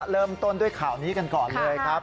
เริ่มต้นด้วยข่าวนี้กันก่อนเลยครับ